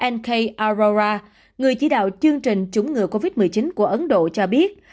n k arora người chỉ đạo chương trình chủng ngừa covid một mươi chín của ấn độ cho biết